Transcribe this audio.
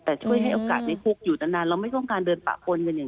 แต่ช่วยให้ขอโอกาสอยู่เราไม่หวงกลางเดินผ่าคนค่ะ